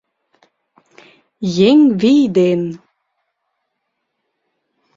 Еҥ вий ден